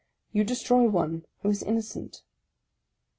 You destroy one who is innocent.